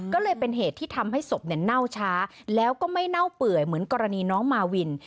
ก็เลยเป็นเหตุที่ทำให้ศพเน่าช้าแล้วก็ไม่เน่าเปื่อยเหมือนกรณีน้องมาวิน